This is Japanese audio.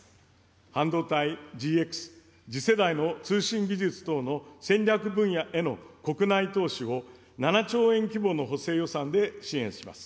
半導体、ＧＸ、次世代の通信技術等の戦略分野への国内投資を７兆円規模の補正予算で支援します。